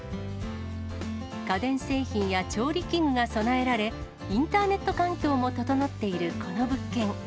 家電製品や調理器具が備えられ、インターネット環境も整っているこの物件。